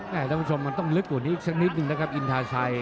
ท่านผู้ชมมันต้องลึกกว่านี้อีกสักนิดนึงนะครับอินทาชัย